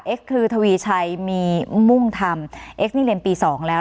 คือทวีชัยมีมุ่งธรรมเอ็กซนี่เรียนปีสองแล้ว